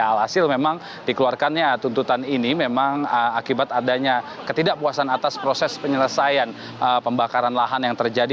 alhasil memang dikeluarkannya tuntutan ini memang akibat adanya ketidakpuasan atas proses penyelesaian pembakaran lahan yang terjadi